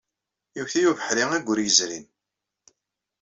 Iwet-iyi ubeḥri ayyur yezrin.